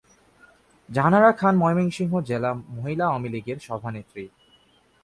জাহানারা খান ময়মনসিংহ জেলা মহিলা আওয়ামীলীগের সভানেত্রী।